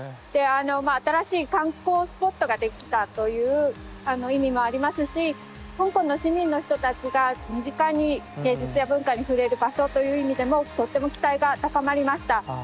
であのまあ新しい観光スポットが出来たという意味もありますし香港の市民の人たちが身近に芸術や文化に触れる場所という意味でもとっても期待が高まりました。